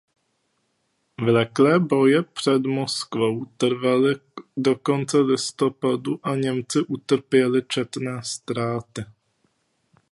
Vleklé boje před Moskvou trvaly do konce listopadu a Němci utrpěli četné ztráty.